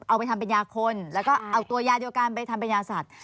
เอาไปทำเป็นยาคนแล้วก็เอาตัวยาเดียวกันไปทำเป็นยาสัตว